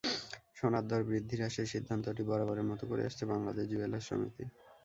সোনার দর বৃদ্ধি হ্রাসের সিদ্ধান্তটি বরাবরের মতো করে আসছে বাংলাদেশ জুয়েলার্স সমিতি।